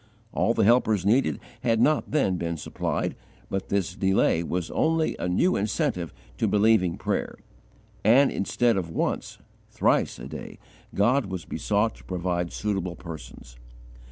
All the helpers needed had not then been supplied, but this delay was only a new incentive to believing prayer: and, instead of once, thrice, a day, God was besought to provide suitable persons.